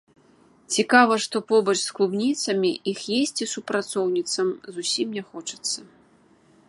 Цікава, што побач з клубніцамі іх есці супрацоўніцам зусім не хочацца.